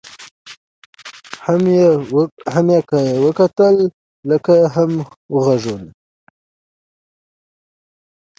هم یې وکتل لکۍ او هم غوږونه